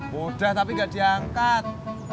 mudah tapi gak diangkat